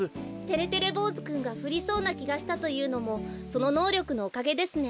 てれてれぼうずくんがふりそうなきがしたというのもそののうりょくのおかげですね。